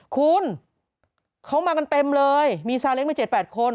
คุณเขามากันเต็มเลยมีสารเล็กมาเจ็ดแปดคน